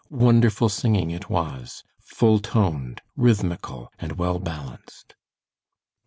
Wonderful singing it was, full toned, rhythmical and well balanced.